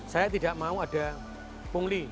saya tidak mau ada pungli